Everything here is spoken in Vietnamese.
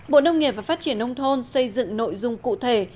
bộ nông nghiệp và phát triển nông thôn xây dựng nội dung cụ thể